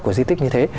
của di tích như thế